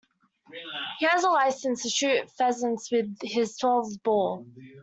He has a licence to shoot pheasants with his twelve-bore